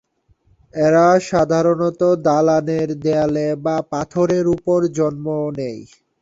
এরা সাধারণ দালানের দেয়ালে বা পাথরের উপরে জন্ম নেয়।